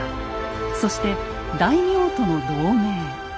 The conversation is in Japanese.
そして大名との同盟。